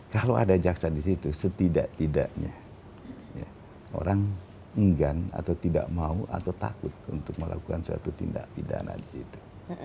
kalau ada jaksa di situ setidak tidaknya orang enggan atau tidak mau atau takut untuk melakukan suatu tindak pidana di situ